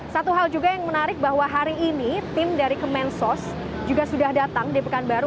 satu hal juga yang menarik bahwa hari ini tim dari kemensos juga sudah datang di pekanbaru